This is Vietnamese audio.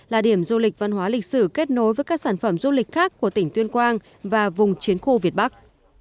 là điểm du lịch văn hóa lịch sử kết nối với các sản phẩm du lịch khác của tỉnh tuyên quang và vùng chiến khu việt bắc